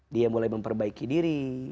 dia mulai memperbaiki diri